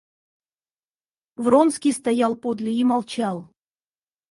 Вронский стоял подле и молчал.